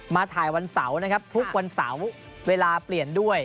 ถ่ายวันเสาร์นะครับทุกวันเสาร์เวลาเปลี่ยนด้วย